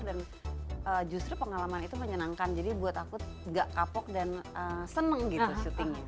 dan justru pengalaman itu menyenangkan jadi buat aku gak kapok dan seneng gitu syutingnya